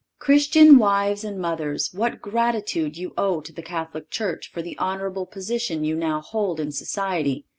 Christian wives and mothers, what gratitude you owe to the Catholic Church for the honorable position you now hold in society!